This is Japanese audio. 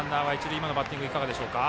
今のバッティングはいかがでしょうか。